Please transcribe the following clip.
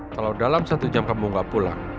kalau dalam satu jam kamu nggak pulang